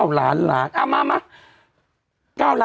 หรอหรอหรอหรอหรอ